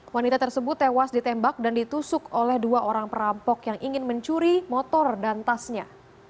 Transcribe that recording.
wanita tersebut tewas ditembak dan ditusuk oleh dua orang perampok yang ingin mencuri motor dan tasnya